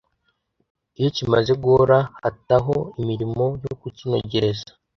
Iyo kimaze guhora hataho imirimo yo kukinogereza